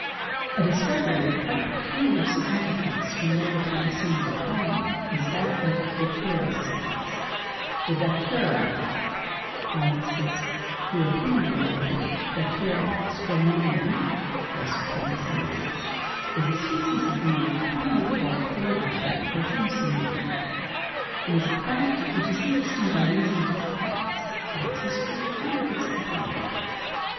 A discovery of quite peculiar significance when made upon the scene of a crime is that of datwra seeds. The datura (Kuropean variety datura stramonium) is a species of weed commonly called thorn apple or jimson weed. It is a plant which is interesting by reason of its effects, of its history, and of its employment.